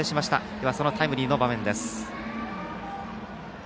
ではそのタイムリーの場面です。